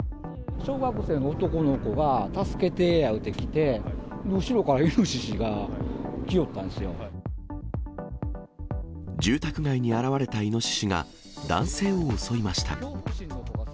小学生の男の子が助けてーや言うて来て、後ろからイノシシが住宅街に現われたイノシシが男性を襲いました。